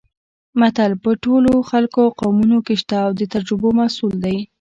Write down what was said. متل په ټولو خلکو او قومونو کې شته او د تجربو محصول دی